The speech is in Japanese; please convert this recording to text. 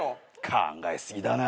考え過ぎだな。